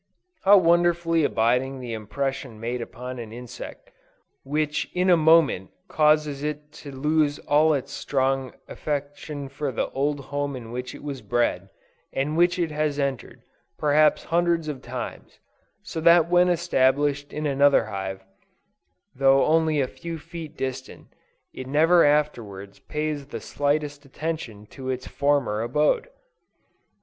How wonderfully abiding the impression made upon an insect, which in a moment causes it to lose all its strong affection for the old home in which it was bred, and which it has entered, perhaps hundreds of times; so that when established in another hive, though only a few feet distant, it never afterwards pays the slightest attention to its former abode!